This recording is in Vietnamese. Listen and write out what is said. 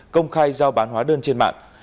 công khai giao bán hóa đơn trên mạng